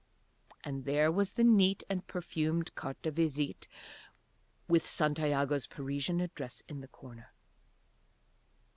And there was the neat and perfumed carte de visite with Santiago's Parisian address in the corner.